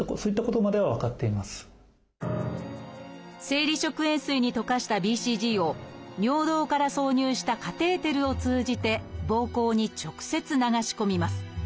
生理食塩水に溶かしたＢＣＧを尿道から挿入したカテーテルを通じて膀胱に直接流し込みます。